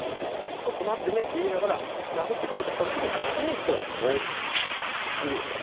「ちょっと待ってね」って言いながら殴ってこようとした時には先に手を触れていく。